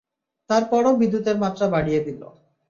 তারপর ও বিদ্যুতের মাত্রা বাড়িয়ে দিলো।